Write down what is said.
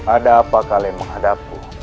ada apa kalian menghadapku